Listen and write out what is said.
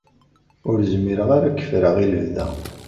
Ur zmireɣ ara ad k-ffreɣ i lebda.